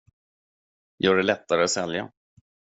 Gör det lättare att sälja.